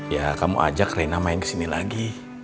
ya kamu ajak rena main kesini lagi